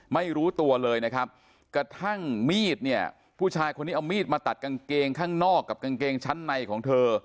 ไม่รู้ตัวเลยนะครับกระทั่งมีดเนี่ยผู้ชายคนนี้เอามีดมาตัดกางเกงข้างนอกกับกางเกงชั้นในของเธอ